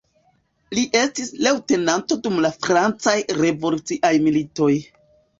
Li estis leŭtenanto dum la francaj revoluciaj militoj.